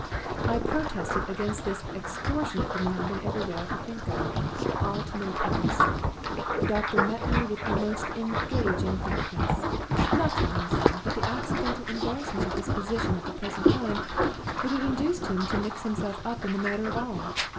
"I protested against this extortionate demand in every way I could think of. All to no purpose. The doctor met me with the most engaging frankness. Nothing, he said, but the accidental embarrassment of his position at the present time would have induced him to mix himself up in the matter at all.